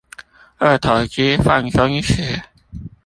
二頭肌放鬆時